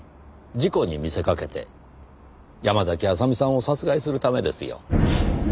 事故に見せかけて山嵜麻美さんを殺害するためですよ。